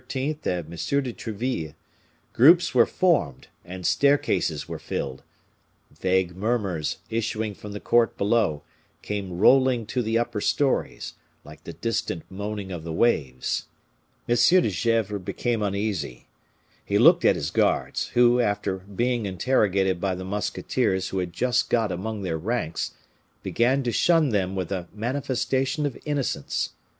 and M. de Treville, groups were formed, and staircases were filled; vague murmurs, issuing from the court below, came rolling to the upper stories, like the distant moaning of the waves. M. de Gesvres became uneasy. He looked at his guards, who, after being interrogated by the musketeers who had just got among their ranks, began to shun them with a manifestation of innocence.